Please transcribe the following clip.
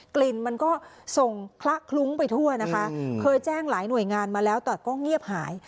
กลิ่นมันก็ส่งคละคลุ้งไปทั่วนะคะเคยแจ้งหลายหน่วยงานมาแล้วแต่ก็เงียบหาย